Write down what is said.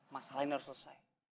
masalah ini harus selesai